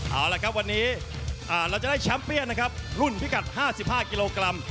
เอาละครับวันนี้เราจะได้แชมป์เปี้ยนนะครับรุ่นพิกัด๕๕กิโลกรัม